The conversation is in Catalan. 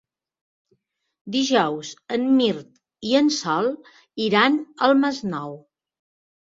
Dijous en Mirt i en Sol iran al Masnou.